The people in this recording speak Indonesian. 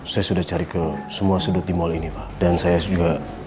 saya sudah cari ke semua sudut di mall ini pak dan saya juga